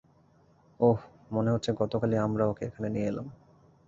ওহ, মনে হচ্ছে গতকালই আমরা ওকে এখানে নিয়ে এলাম।